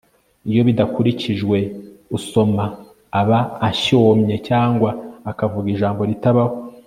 iyo bidakurikijwe, usoma aba ashyomye cyangwa akavuga ijambo ritabaho